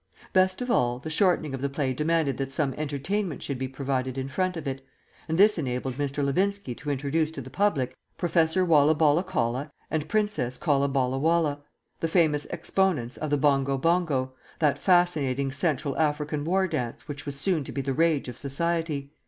Best of all, the shortening of the play demanded that some entertainment should be provided in front of it, and this enabled Mr. Levinski to introduce to the public Professor Wollabollacolla and Princess Collabollawolla, the famous exponents of the Bongo Bongo, that fascinating Central African war dance which was soon to be the rage of society.